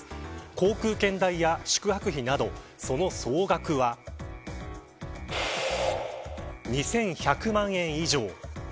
航空券代や宿泊費などその総額は２１００万円以上。